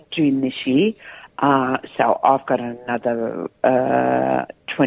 jadi saya memiliki dua puluh bulan lagi